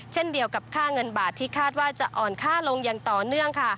เช่นเดียวกับค่าเงินบาทที่คาดว่าจะอ่อนค่าลงอย่างต่อเนื่องค่ะ